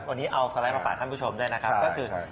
อันนี้เอาสไลด์มาฝากท่านผู้ชมก็คือ